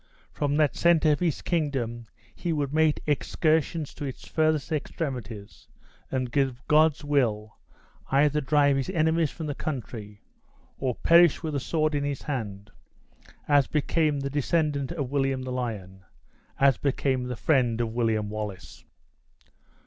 From that center of his kingdom he would make excursions to its furthest extremities, and, with God's will, either drive his enemies from the country, or perish with the sword in his hand, as became the descendant of William the Lion, as became the friend of William Wallace!